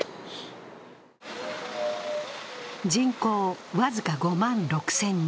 人口僅か５万６０００人。